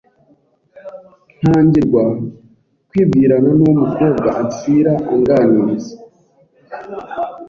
Ntangira kwibwirana n’uwo mukobwa Ansir anganiriza